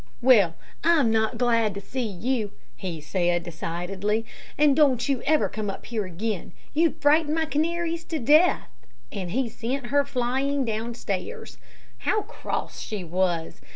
"Well, I'm not glad to see you," he said, decidedly, "and don't you ever come up here again. You'd frighten my canaries to death." And he sent her flying downstairs. How cross she was!